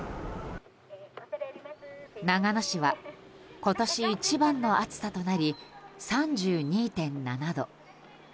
長野市は今年一番の暑さとなり３２．７度。